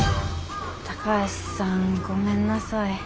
高橋さんごめんなさい。